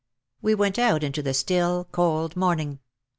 We went out into the still, cold morning.